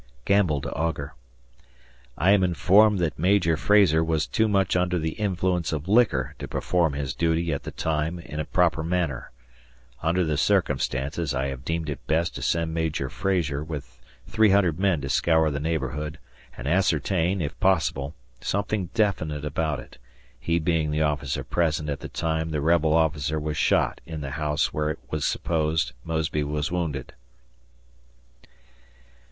[Gamble to Augur] I am also informed that Major Frazar was too much under the influence of liquor to perform his duty at the time in a proper manner. Under the circumstances I have deemed it best to send Major Frazar with 300 men to scour the neighborhood and ascertain, if possible, something definite about it, he being the officer present at the time the rebel officer was shot in the house where it is supposed Mosby was wounded.